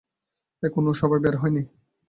এখনো সবাই বের হয়নি।